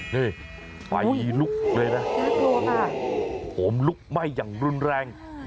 นี่ไฟลุกเลยนะโหมลุกไหม้อย่างรุนแรง